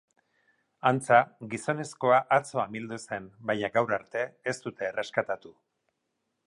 Antza, gizonezkoa atzo amildu zen, baina gaur arte ez dute erreskatatu.